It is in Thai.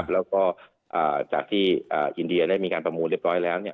แล้วก็จากที่อินเดียได้มีการประมูลเรียบร้อยแล้ว